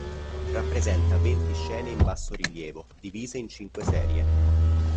Rappresenta venti scene in bassorilievo, divise in cinque serie.